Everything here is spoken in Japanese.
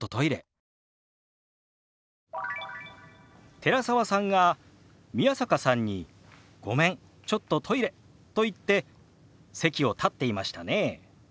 寺澤さんが宮坂さんに「ごめんちょっとトイレ」と言って席を立っていましたね。